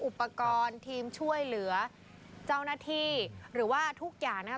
อุปกรณ์ทีมช่วยเหลือเจ้าหน้าที่หรือว่าทุกอย่างนะครับ